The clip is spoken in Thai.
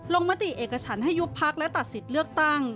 มติเอกฉันให้ยุบพักและตัดสิทธิ์เลือกตั้ง